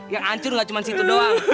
yang hancur nggak cuma situ doang